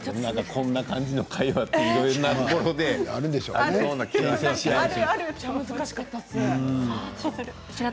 こんな感じの会話いろいろなところでありそうですよね。